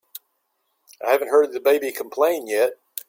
I haven't heard the baby complain yet.